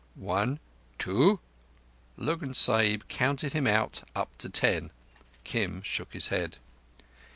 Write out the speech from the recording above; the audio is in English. "One—two"—Lurgan Sahib counted him out up to ten. Kim shook his head.